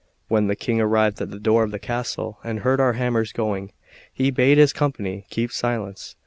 When the King arrived at the door of the castle, and heard our hammers going, he bade his company keep silence.